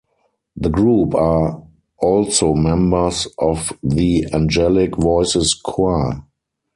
The group are also members of the Angelic Voices Choir.